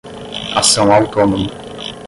ação autônoma